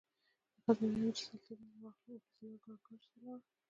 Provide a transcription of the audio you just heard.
د غزنویانو تر سلطې لاندې راغلل ابن سینا ګرګانج ته ولاړ.